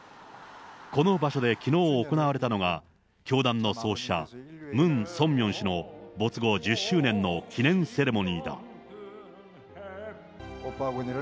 この場所できのう行われたのが、教団の創始者、ムン・ソンミョン氏の没後１０周年の記念セレモニーだ。